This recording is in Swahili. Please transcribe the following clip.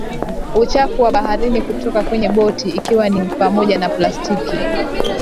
Uchafu wa baharini kutoka kwenye boti ikiwa ni pamoja na plastiki